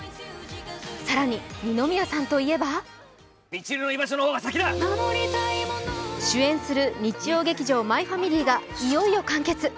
更に二宮さんといえば主演する日曜劇場「マイファミリー」がいよいよ完結。